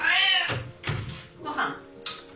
ごはん？